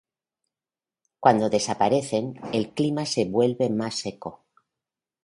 Cuando desaparecen, el clima se vuelve más seco.